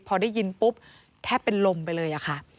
พอได้ยินปุ๊บแทบเป็นลมไปเลยอะค่ะ